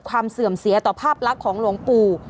เสื่อมเสียต่อภาพลักษณ์ของหลวงปู่